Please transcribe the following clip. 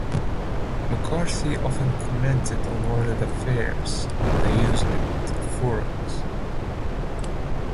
McCarthy often commented on world affairs on the Usenet forums.